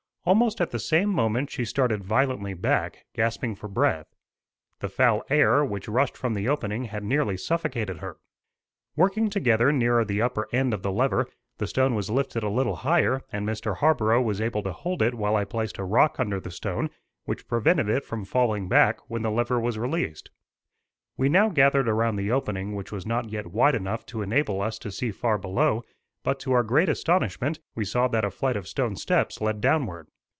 Almost at the same moment she started violently back, gasping for breath. The foul air, which rushed from the opening, had nearly suffocated her. Working together nearer the upper end of the lever, the stone was lifted a little higher and Mr. Harborough was able to hold it while I placed a rock under the stone, which prevented it from falling back when the lever was released. We now gathered around the opening which was not yet wide enough to enable us to see far below; but to our great astonishment we saw that a flight of stone steps led downward.